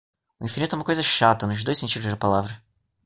O infinito é uma coisa chata, nos dois sentidos da palavra.